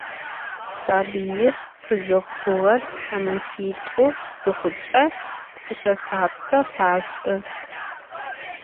Sabıir khızıxhuğer themefit'u zıxhuç'e, kuşsexapxe faş'ı.